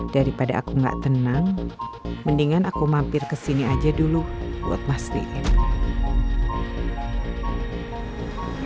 daripada aku gak tenang mendingan aku mampir kesini aja dulu buat mastiin